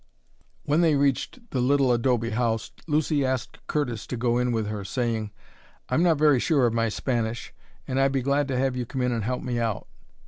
When they reached the little adobe house Lucy asked Curtis to go in with her, saying, "I'm not very sure of my Spanish, and I'd be glad to have you come in and help me out."